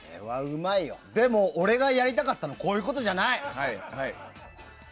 でも、俺がやりたかったのはこういうことじゃない。